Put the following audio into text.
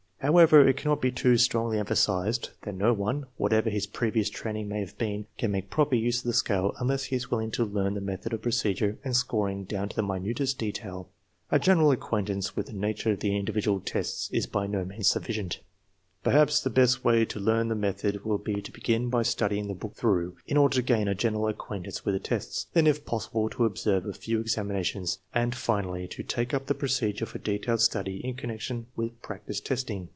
However, it cannot be too strongly emphasized that no one, whatever his previous training may have been, can make proper use of the scale unless he is willing to learn the method of procedure and scoring down to the minutest de tail, A general acquaintance with the nature of the indi vidual tests is l>y no means sufficient. xii PREFACE Perhaps the best way to learn the method will be to begin by studying the book through, in order to gain a general acquaintance with the tests; then, if possible, to observe a few examinations; and finally to take up the procedure for detailed study in connection with practice testing.